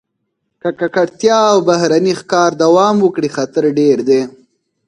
که ککړتیا او بهرني ښکار دوام وکړي، خطر ډېر دی.